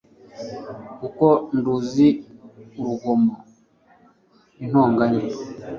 kuko nduzi urugomo n’intonganya